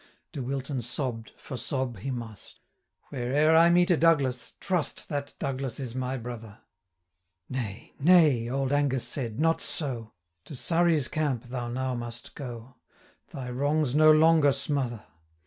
De Wilton sobb'd, for sob he must 370 'Where'er I meet a Douglas, trust That Douglas is my brother!' 'Nay, nay,' old Angus said, 'not so; To Surrey's camp thou now must go, Thy wrongs no longer smother.